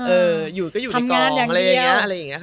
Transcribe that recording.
เอออยู่ก็อยู่ที่กองอะไรอย่างเงี้ยทำงานอย่างเงี้ย